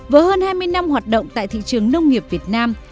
với hơn hai mươi năm hoạt động tại thị trường nông nghiệp việt nam